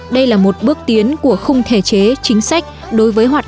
đây là một bước tiến của khung thể chế chính sách